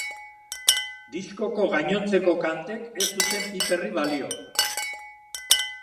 Diskoko gainontzeko kantek ez zuten piperrik balio.